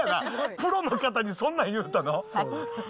プロの方にそんなん言うたの？